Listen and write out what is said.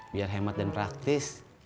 biar hemat dan praktis